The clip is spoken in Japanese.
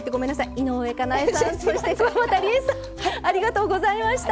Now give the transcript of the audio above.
井上かなえさんそしてくわばたりえさんありがとうございました。